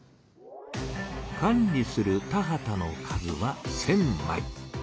管理する田畑の数は１，０００まい。